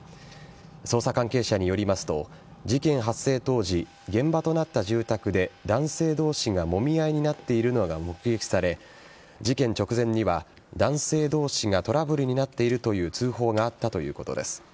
捜査関係者によりますと事件発生当時現場となった住宅で男性同士がもみ合いになっているのが目撃され事件直前には男性同士がトラブルになっているという通報があったということです。